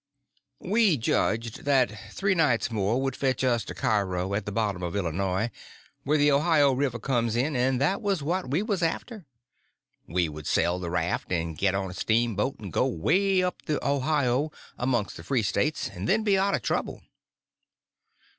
We judged that three nights more would fetch us to Cairo, at the bottom of Illinois, where the Ohio River comes in, and that was what we was after. We would sell the raft and get on a steamboat and go way up the Ohio amongst the free States, and then be out of trouble.